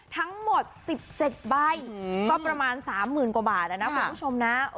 ทั้งหมด๑๗ใบก็ประมาณ๓๐๐๐กว่าบาทนะคุณผู้ชมนะ